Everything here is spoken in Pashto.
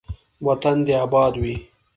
وطن دې اباد وي.